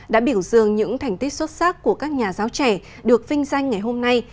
đã biểu dương những thành tích xuất sắc của các nhà giáo trẻ được vinh danh ngày hôm nay